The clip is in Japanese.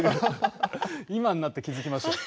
今になって気付きました。